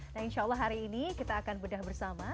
nah insya allah hari ini kita akan bedah bersama